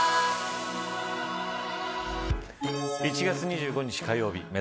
１月２５日火曜日